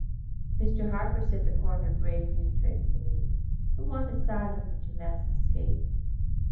"Mr. Harker," said the coroner, gravely and tranquilly, "from what asylum did you last escape?"